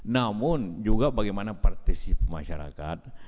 namun juga bagaimana partisipasi masyarakat